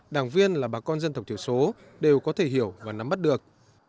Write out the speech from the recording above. đảng viên là bà con dân tộc thiểu số đều có thể hiểu và nắm bắt được